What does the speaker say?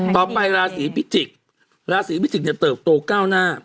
ต่อไปราศีพิจิกษ์ราศีพิจิกเนี่ยเติบโตก้าวหน้า